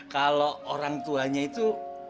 kalau orang tuanya itu